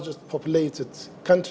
negara yang terbanyak